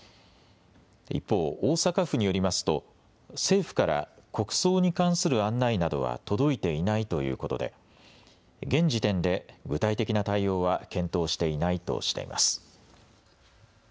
一方、大阪府によりますと政府から国葬に関する案内などは届いていないということで現時点で具体的な対応は検討していないとしています。